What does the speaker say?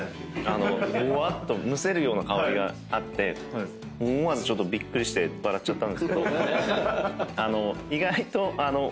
ぼわっとむせるような香りがあって思わずびっくりして笑っちゃったんですけど。